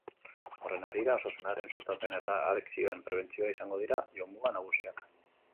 Horren harira, osasunaren sustapena eta adikzioen prebentzioa izango dira jomuga nagusiak.